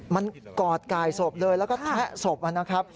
มันกอดกายศพเลยแล้วก็แทะศพนะครับ